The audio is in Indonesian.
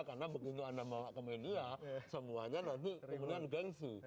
karena begitu anda bawa ke media semuanya nanti kemudian gengsi